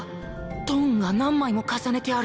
トーンが何枚も重ねてある。